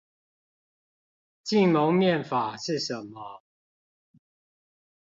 禁蒙面法是什麼？